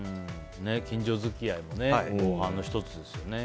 近所付き合いも防犯の１つですよね。